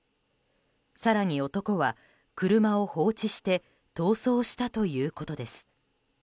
更に男は車を放置して逃走したということです。